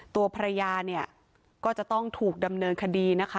ตัวภรรยาก็จะต้องถูกดำเนินคดี